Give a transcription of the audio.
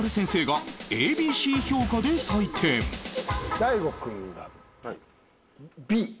大悟君がＢ。